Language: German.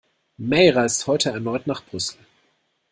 May reist heute erneut nach Brüssel